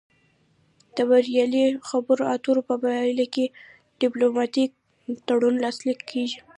د بریالۍ خبرو اترو په پایله کې ډیپلوماتیک تړون لاسلیک کیږي